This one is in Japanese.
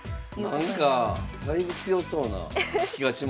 なんかだいぶ強そうな気がしますが。